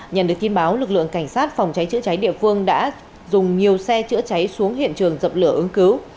nhận được tin báo lực lượng cảnh sát phòng cháy chữa cháy địa phương đã dùng nhiều xe chữa cháy xuống hiện trường dập lửa ứng cứu